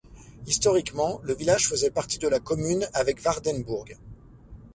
Historiquement, le village faisait partie de la commune avec Waardenburg.